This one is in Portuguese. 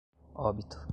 óbito